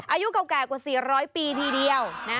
อายุเก่าแก่กว่า๔๐๐ปีทีเดียว